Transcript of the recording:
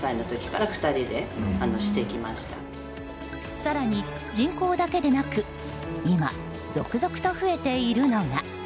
更に人口だけでなく今、続々と増えているのが。